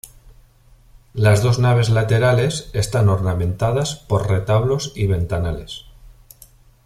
Las dos naves laterales están ornamentadas por retablos y ventanales.